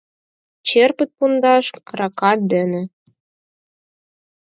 Черпыт пундаш аракат дене